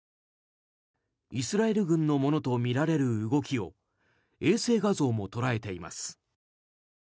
イスラエル軍のものとみられる動きを衛星画像も捉えています。